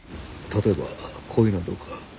例えばこういうのはどうか。